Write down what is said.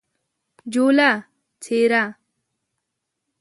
جوله : څیره